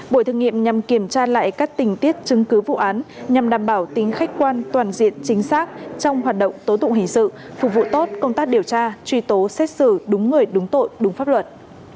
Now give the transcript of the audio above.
buổi thử nghiệm nhằm kiểm tra lại các tình tiết chứng cứ vụ án nhằm đảm bảo tính khách quan toàn diện chính xác trong hoạt động tố tụng hình sự phục vụ tốt công tác điều tra truy tố xét xử đúng người đúng tội đúng pháp luật